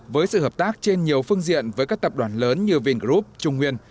với sự hợp tác trên nhiều phương diện với các tập đoàn lớn như vingroup trung nguyên